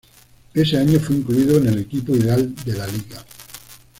Ese año fue incluido en el equipo ideal de la Liga.